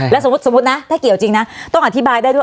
แล้วสมมุตินะถ้าเกี่ยวจริงนะต้องอธิบายได้ด้วย